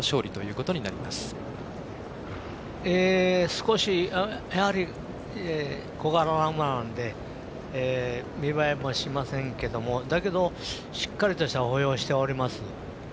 少しやはり小柄な馬なので見栄えもしませんけどもだけど、しっかりとした歩様をしております。